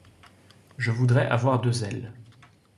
Je voudrais avoir deux ailes…